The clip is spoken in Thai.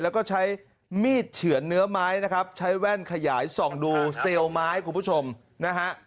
แล้วก็ใช้มีดเฉือนเนื้อไม้นะครับใช้แว่นขยายส่องดูเซลล์ไม้คุณผู้ชมนะฮะ